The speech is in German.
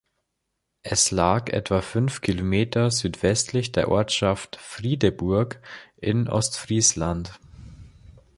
Es lag etwa fünf Kilometer südwestlich der Ortschaft Friedeburg in Ostfriesland.